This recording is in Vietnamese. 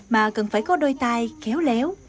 mà cần phải có đôi tay khéo léo